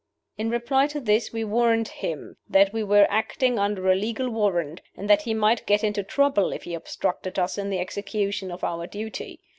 In reply to this we warned him that we were acting under a legal warrant, and that he might get into trouble if he obstructed us in the execution of our duty.